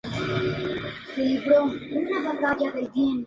Esto marcaría el inicio del profesionalismo en este deporte.